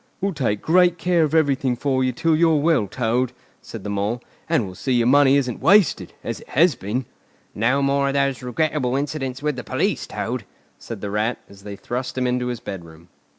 "We'll take great care of everything for you till you're well, Toad," said the Mole; "and we'll see your money isn't wasted, as it has been." "No more of those regrettable incidents with the police, Toad," said the Rat, as they thrust him into his bedroom.